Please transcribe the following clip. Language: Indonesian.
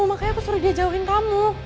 makanya aku suruh dia jauhin tamu